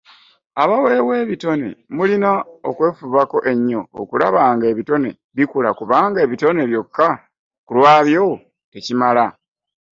Abaaweebwa ebitone mulina okwefubako ennyo okulaba ng’ebitone bikula kuba ebitone byokka ku lwabyo tekimala.